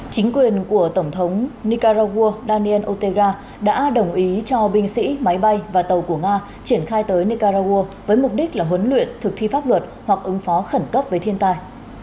chính quyền của tổng thống nicaragua daniel otega đã đồng ý cho binh sĩ máy bay và tàu của nga triển khai tới nicaragua với mục đích là huấn luyện thực thi pháp luật hoặc ứng phó khẩn cấp với thiên tai